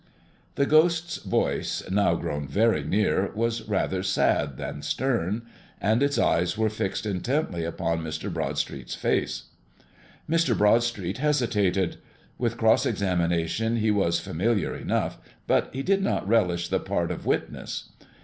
The Ghost's voice, now grown very near, was rather sad than stern, and its eyes were fixed intently upon Mr. Broadstreet's face. Mr. Broadstreet hesitated. With cross examination he was familiar enough, but he did not relish the part of witness.